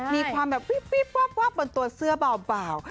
มีความแบบตัวเสื้อเบา